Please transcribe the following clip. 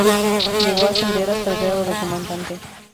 Llegó a ascender hasta el grado de Comandante.